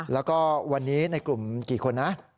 แล้วก็วันนี้ในกลุ่มกี่คนนะ